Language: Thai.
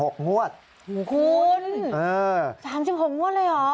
คุณ๓๖งวดเลยเหรอโอ้โฮคุณโอ้โฮ